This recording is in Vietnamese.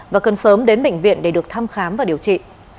và cần sớm đến bệnh viện để được thăm khám và điều trị